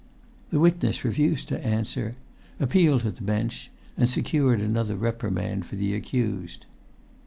The witness refused to answer, appealed to the bench, and secured another reprimand for the accused.